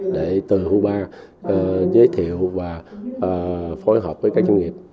để từ cuba giới thiệu và phối hợp với các doanh nghiệp